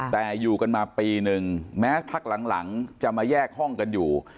แต่อยู่กันมาปีนึงแม้พักหลังจะมาแยกห้องกันอยู่